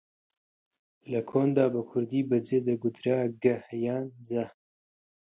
لە کۆندا بە کوردی بە جێ دەگوترا گەه یا جەه